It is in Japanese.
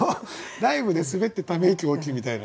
ライブで滑ってため息大きいみたいな。